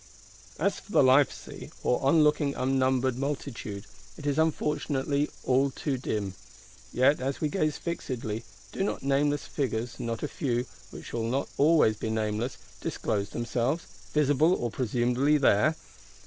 As for the Life sea, or onlooking unnumbered Multitude, it is unfortunately all too dim. Yet as we gaze fixedly, do not nameless Figures not a few, which shall not always be nameless, disclose themselves; visible or presumable there!